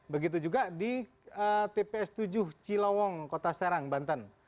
begitu juga di tps tujuh cilowong kota serang banten